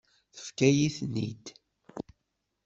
Tefkam-iyi-ten-id.